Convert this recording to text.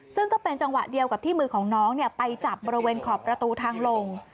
ซึ่งก็เป็นจังหวะเดียวกับที่มือของน้องไปจับบริเวณขอบประตูทางลง